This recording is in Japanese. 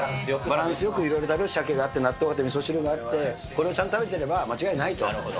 シャケ、みそ汁、シャケがあって、納豆があって、みそ汁があって、これをちゃんと食べてれば間違いないと。